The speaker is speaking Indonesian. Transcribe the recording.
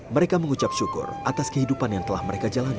mereka mengucap syukur atas kehidupan yang telah mereka jalani